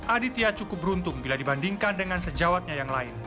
aditya cukup beruntung bila dibandingkan dengan sejawatnya yang lain